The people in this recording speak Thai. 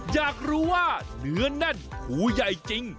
อยากรู้ว่าเนื้อแน่นหูใหญ่จริง